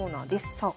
さあ